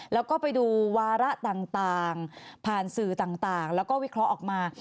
แล้วก็ไปดูวาระต่างผ่านสื่อต่างแล้วก็วิเคราะห์ออกมา